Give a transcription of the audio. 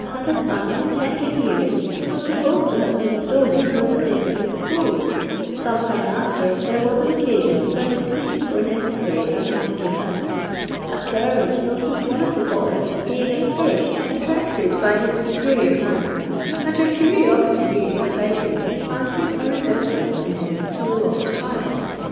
had a son of tender years, who was supposed to have been stolen for the Kike of his clothes. Some time after, there was an occasion when the sweeps were necessary at Montagu House. A servant noticed one of the boys, being at first attracted by his superior manner, and her curiosity being excited fancied a resemblance in him to the lost child.